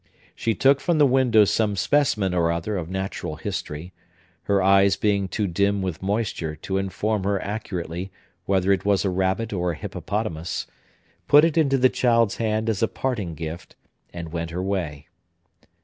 She took from the window some specimen or other of natural history,—her eyes being too dim with moisture to inform her accurately whether it was a rabbit or a hippopotamus,—put it into the child's hand as a parting gift, and went her way.